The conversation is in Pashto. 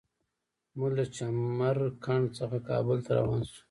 موږ له چمر کنډ څخه کابل ته روان شولو.